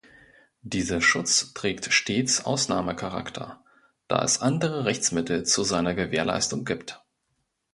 Dieser Schutz trägt stets Ausnahmecharakter, da es andere Rechtsmittel zu seiner Gewährleistung gibt.